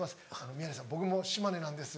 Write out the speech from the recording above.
宮根さん僕も島根なんです」